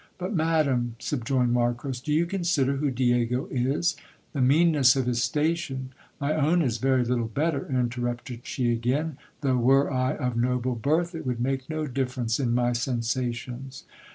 But, madam, subjoined Marcos, do you consider who Diego is ? The mean ness of his station My own is very little better, interrupted she THE JOURiVE YUAN BARBERS STOR Y. 65 again ; though were I of noble birth, it would make no difference in my sensa tions.